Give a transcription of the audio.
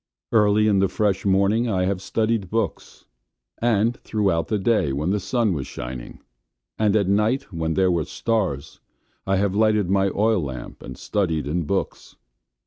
Early in the fresh morning I have studied in books, and throughout the day when the sun was shining; and at night when there were stars, I have lighted my oil lamp and studied in books.